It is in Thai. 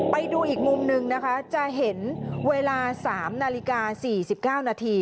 ไปดูอีกมุมนึงนะคะจะเห็นเวลา๓นาฬิกา๔๙นาที